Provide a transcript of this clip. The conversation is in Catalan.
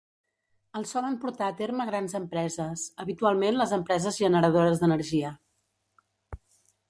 El solen portar a terme grans empreses, habitualment les empreses generadores d'energia.